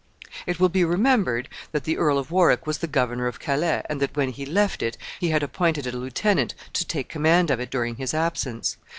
It will be remembered that the Earl of Warwick was the governor of Calais, and that when he left it he had appointed a lieutenant to take command of it during his absence.